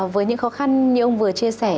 với những khó khăn như ông vừa chia sẻ